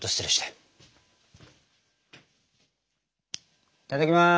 いただきます！